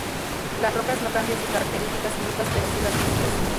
Las rocas no cambian sus características químicas pero sí las físicas.